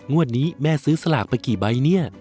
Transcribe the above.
งวดนี้แม่ซื้อสลากไปกี่ใบเนี่ย